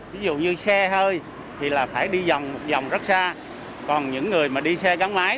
ví dụ như xe hơi thì là phải đi vòng một dòng rất xa còn những người mà đi xe gắn máy